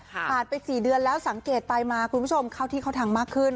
ผ่านไป๔เดือนแล้วสังเกตไปมาคุณผู้ชมเข้าที่เข้าทางมากขึ้น